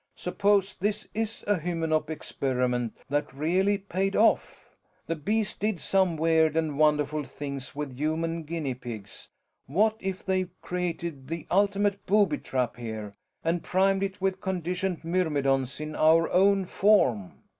Suppose this is a Hymenop experiment that really paid off? The Bees did some weird and wonderful things with human guinea pigs what if they've created the ultimate booby trap here, and primed it with conditioned myrmidons in our own form?